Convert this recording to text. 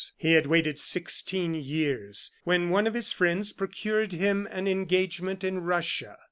He had waited sixteen years, when one of his friends procured him an engagement in Russia.